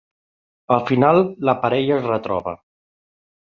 Al final, la parella es retroba.